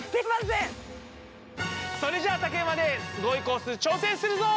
それじゃあ竹馬ですごいコース挑戦するぞ！